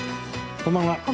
こんばんは。